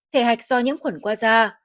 thể hạch do nhiễm khuẩn qua da